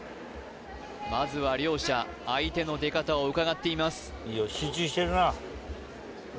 まずは両者相手の出方をうかがっています